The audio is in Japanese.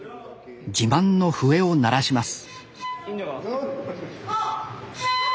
自慢の笛を鳴らします